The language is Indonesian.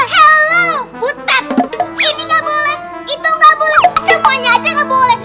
hello butet ini gak boleh itu gak boleh semuanya aja gak boleh